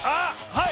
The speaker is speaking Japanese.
はい！